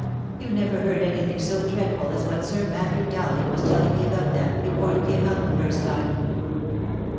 You never heard any thing so dreadful as what Sir Matthew Dowling was telling me about them, before you came out the first time."